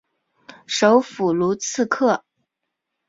首府卢茨克。